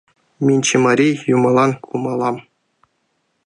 — Минь чимарий юмылан кумалам.